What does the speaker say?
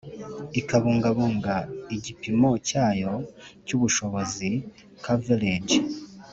ikabungabunga igipimo cyayo cy ubushobozi Coverage